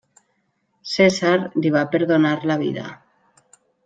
Cèsar li va perdonar la vida.